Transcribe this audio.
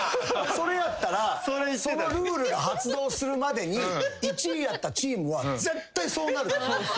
それやったらそのルールが発動するまでに１位やったチームは絶対そうなる。